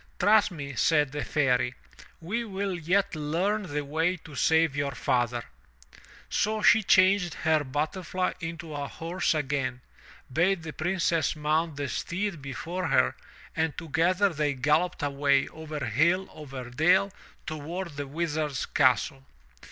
'Trust me/* said the Fairy, we will yet learn the way to save your father/' So she changed her butterfly into a horse again, bade the Princess mount the steed before her, and together they galloped away, over hill, over dale, toward the Wizard's castle.